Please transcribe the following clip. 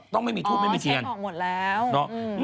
ต้องไม่มีทูบไม่มีเทียนใช้ออกหมดแล้ว